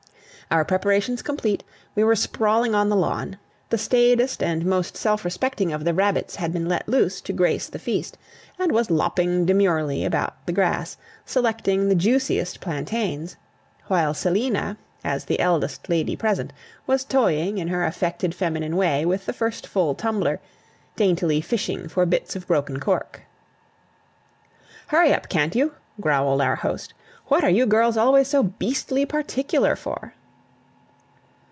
Our preparations complete, we were sprawling on the lawn; the staidest and most self respecting of the rabbits had been let loose to grace the feast, and was lopping demurely about the grass, selecting the juiciest plantains; while Selina, as the eldest lady present, was toying, in her affected feminine way, with the first full tumbler, daintily fishing for bits of broken cork. "Hurry up, can't you?" growled our host; "what are you girls always so beastly particular for?"